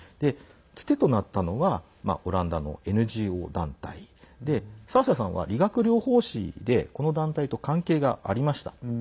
つてとなったのはオランダのＮＧＯ団体でサーシャさんは理学療法士でこの団体と関係がありました。